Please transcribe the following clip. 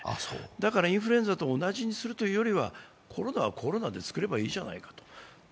だからインフルエンザと同じにしないでコロナはコロナでいいじゃないかと。